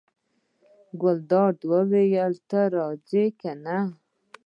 ګلداد وویل: ته راځه کېنه.